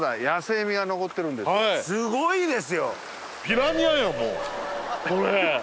すごいですよ。